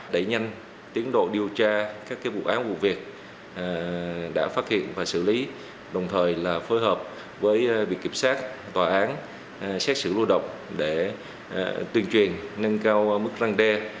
để nhanh tiến độ điều tra các vụ án vụ việc đã phát hiện và xử lý đồng thời là phối hợp với việc kiểm soát tòa án xét xử lưu động để tuyên truyền nâng cao mức răng đe